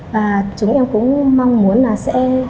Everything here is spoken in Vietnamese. và chúng em cũng mong muốn là sẽ